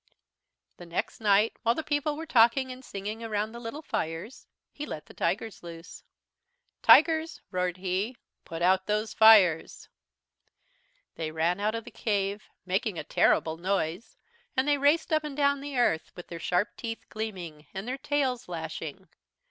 "The next night, while the people were talking and singing around the little fires, he let the tigers loose. "'Tigers,' roared he, 'put out those fires.' "They ran out of the cave, making a terrible noise, and they raced up and down the earth, with their sharp teeth gleaming, and their tails lashing.